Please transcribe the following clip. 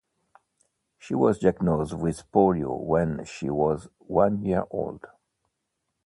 She was diagnosed with polio when she was one year old.